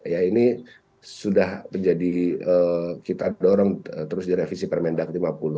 ya ini sudah menjadi kita dorong terus direvisi permendag lima puluh